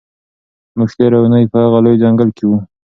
موږ تېره اونۍ په هغه لوی ځنګل کې وو.